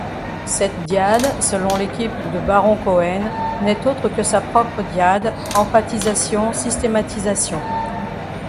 Cette dyade, selon l'équipe de Baron-Cohen, n'est autre que sa propre dyade empathisation-systémisation.